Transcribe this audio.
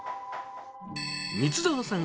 光澤さん